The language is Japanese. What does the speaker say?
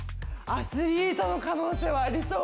アスリートの可能性はありそう。